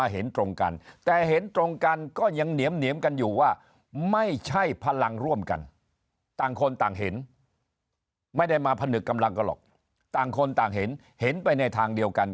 หนึกกำลังก็หลอกต่างคนต่างเห็นเห็นไปในทางเดียวกัน